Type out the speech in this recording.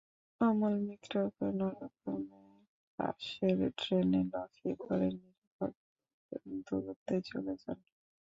অমল মিত্র কোনো রকমে পাশের ড্রেনে লাফিয়ে পড়ে নিরাপদ দূরত্বে চলে যান।